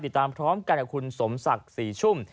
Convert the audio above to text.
ติดตามพร้อมกันกับคุณสมศักดิ์ศรีชุ่ม